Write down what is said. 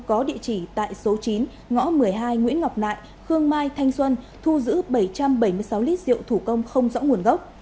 có địa chỉ tại số chín ngõ một mươi hai nguyễn ngọc nại khương mai thanh xuân thu giữ bảy trăm bảy mươi sáu lít rượu thủ công không rõ nguồn gốc